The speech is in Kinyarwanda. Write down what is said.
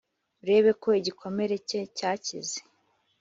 urebe ko igikomere cye cyakize